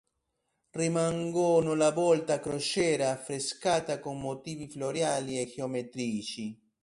Rimangono la volta a crociera, affrescata con motivi floreali e geometrici.